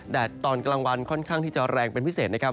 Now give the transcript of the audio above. ตอนกลางวันค่อนข้างที่จะแรงเป็นพิเศษนะครับ